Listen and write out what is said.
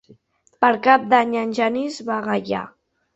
Per Cap d'Any en Genís va a Gaià.